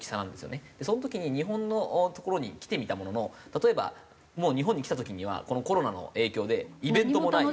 その時に日本の所に来てみたものの例えばもう日本に来た時にはこのコロナの影響でイベントもない。